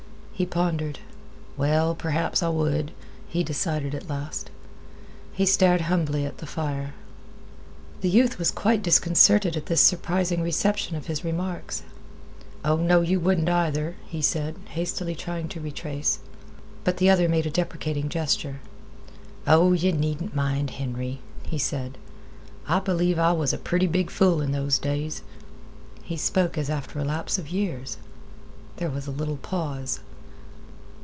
He pondered. "Well, perhaps I would," he decided at last. He stared humbly at the fire. The youth was quite disconcerted at this surprising reception of his remarks. "Oh, no, you wouldn't either," he said, hastily trying to retrace. But the other made a deprecating gesture. "Oh, yeh needn't mind, Henry," he said. "I believe I was a pretty big fool in those days." He spoke as after a lapse of years. There was a little pause.